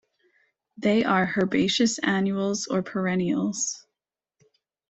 They are herbaceous annuals or perennials.